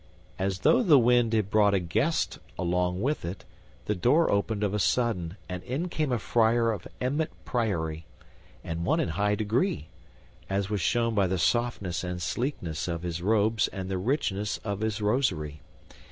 As though the wind had brought a guest along with it, the door opened of a sudden and in came a friar of Emmet Priory, and one in high degree, as was shown by the softness and sleekness of his robes and the richness of his rosary.